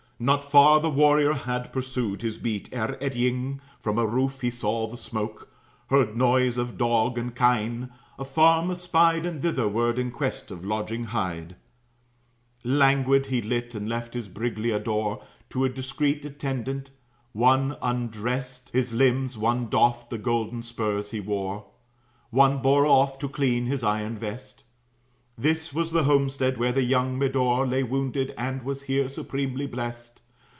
Not far the warrior had pursued his beat, Ere eddying from a roof he saw the smoke; Heard noise of dog and kine, a farm espied, And thitherward in quest of lodging hied. Languid, he lit, and left his Brigliador To a discreet attendant; one undrest His limbs, one doffed the golden spurs he wore, And one bore off, to clean, his iron vest. This was the homestead where the young Medore Lay wounded, and was here supremely blest.